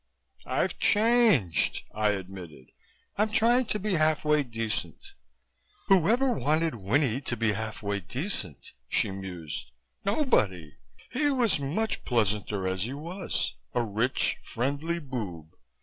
"I've changed," I admitted. "I'm trying to be half way decent." "Whoever wanted Winnie to be half way decent?" she mused. "Nobody. He was much pleasanter as he was a rich, friendly boob.